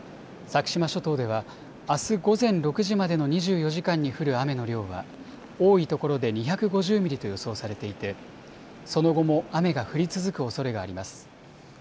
先島諸島では、あす午前６時までの２４時間に降る雨の量は多いところで２５０ミリと予想されていてその後も雨が降り続くおそれがあります。